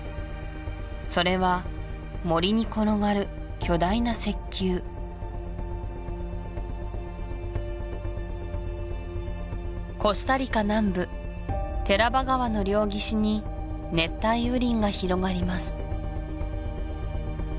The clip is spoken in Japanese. それは森に転がる巨大な石球コスタリカ南部テラバ川の両岸に熱帯雨林が広がります